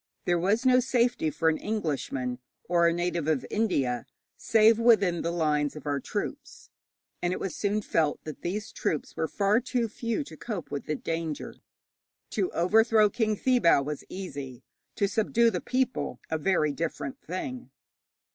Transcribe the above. There was no safety for an Englishman or a native of India, save within the lines of our troops, and it was soon felt that these troops were far too few to cope with the danger. To overthrow King Thibaw was easy, to subdue the people a very different thing.